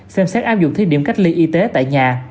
xem xét áp dụng thí điểm cách ly y tế tại nhà